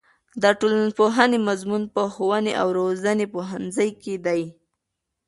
د ټولنپوهنې مضمون په ښوونې او روزنې پوهنځي کې دی.